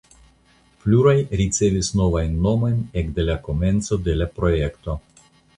Pluraj ricevis novajn nomojn ekde la komenco de la projekto.